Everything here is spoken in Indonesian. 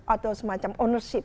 atau semacam ownership